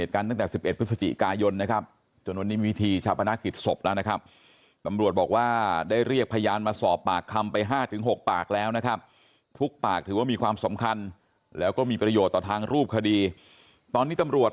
ซึ่งอยากจะให้เขามารับโทษตามกฎไม่นะครับ